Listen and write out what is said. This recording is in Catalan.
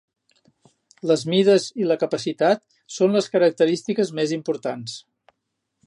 Les mides i la capacitat són les característiques més importants.